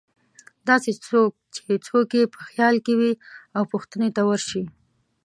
داسې څوک چې څوک یې په خیال کې وې او پوښتنې ته ورشي.